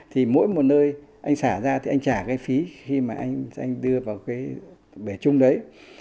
thì mỗi một nơi anh xả ra thì anh trả cái phí khi mà anh đưa vào cái bể chung đấy